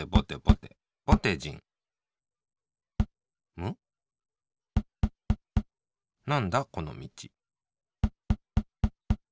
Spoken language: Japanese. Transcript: むっなんだこのみち。